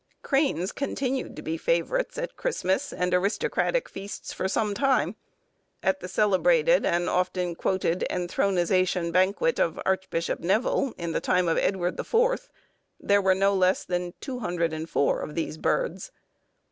Cranes continued to be favourites at Christmas and aristocratic feasts for some time; at the celebrated and often quoted enthronisation banquet of Archbishop Nevil, in the time of Edward the Fourth, there were no less than 204 of these birds.